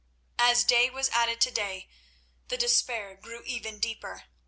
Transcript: As day was added to day, the despair grew ever deeper.